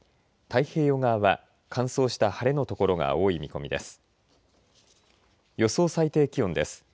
太平洋側は乾燥した晴れの所が多い見込みです。